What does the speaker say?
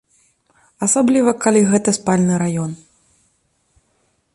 Асабліва калі гэта спальны раён.